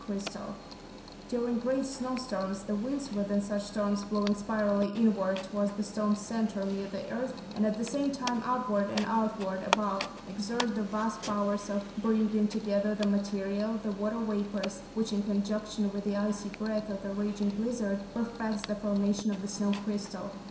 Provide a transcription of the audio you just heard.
Freak crystal formed by broken sections uniting] During great snowstorms the winds within such storms blowing spirally inward toward the storm centre near the earth, and at the same time upward and outward, above, exert the vast powers of bringing together the material, the water vapours, which in conjunction with the icy breath of the raging blizzard, perfects the formation of the snow crystal.